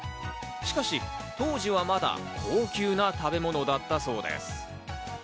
しかし、当時はまだ高級な食べ物だったそうです。